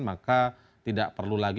maka tidak perlu lagi